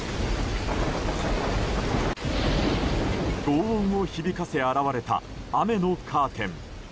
轟音を響かせ現れた雨のカーテン。